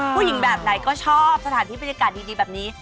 ผู้หญิงแบบไหนก็ชอบสถานที่บรรยากาศดีแบบนี้